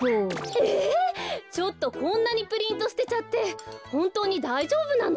ちょっとこんなにプリントすてちゃってほんとうにだいじょうぶなの？